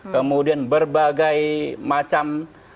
kemudian berbagai macam